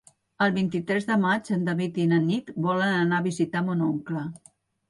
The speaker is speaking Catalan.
El vint-i-tres de maig en David i na Nit volen anar a visitar mon oncle.